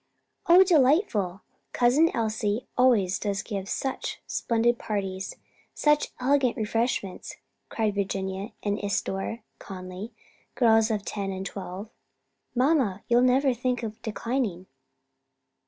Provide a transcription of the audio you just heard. "Oh, delightful! Cousin Elsie always does give such splendid parties, such elegant refreshments!" cried Virginia and Isadore Conly, girls of ten and twelve, "mamma, you'll never think of declining?"